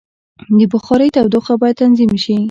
د بخارۍ تودوخه باید تنظیم شي.